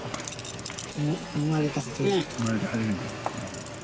生まれて初めて。